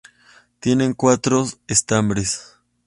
Tienen cuatro estambres.